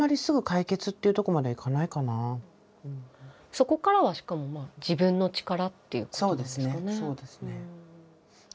そこからはしかも自分の力っていうことなんですかね？